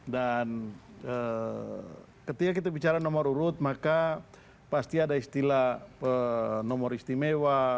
dan ketika kita bicara nomor urut maka pasti ada istilah nomor istimewa